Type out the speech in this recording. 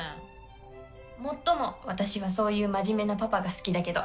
もっとも私はそういう真面目なパパが好きだけど。